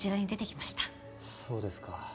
そうですか。